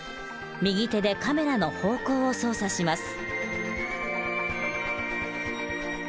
右手でカメラの方向を操作します。